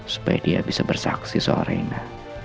supaya dia bisa bersaksi soal rena